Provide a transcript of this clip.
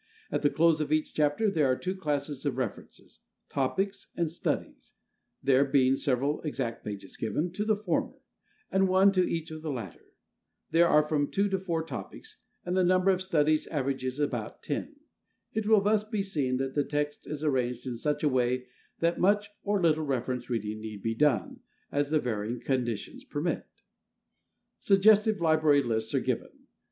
At the close of each chapter there are two classes of references, "topics," and "studies," there being several (exact pages given) to the former, and one to each of the latter. There are from two to four topics; and the number of studies averages about ten. It will thus be seen that the text is arranged in such a way that much or little reference reading need be done, as the varying conditions permit. Suggestive library lists are given.